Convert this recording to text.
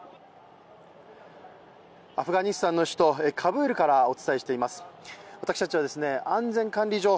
アフガニスタンの首都カブールからお伝えしています